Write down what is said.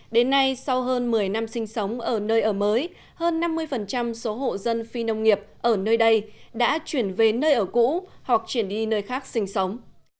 đến nay sau hơn một mươi năm sinh sống ở nơi ở mới hơn năm mươi số hộ dân phi nông nghiệp ở nơi đây đã chuyển về nơi ở cũ hoặc chuyển đi nơi khác sinh sống